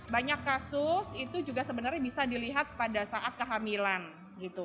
banyak kasus itu juga sebenarnya bisa dilihat pada saat kehamilan gitu